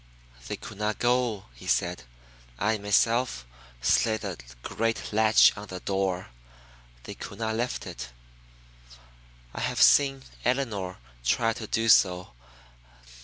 "They could not go," she said. "I myself slid the great latch on the door; they could not lift it. I have seen Elinor try to do so.